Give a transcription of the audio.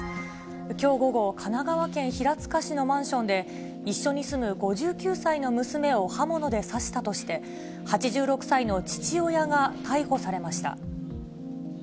きょう午後、神奈川県平塚市のマンションで、一緒に住む５９歳の娘を刃物で刺したとして、８６歳の父親が逮捕されました。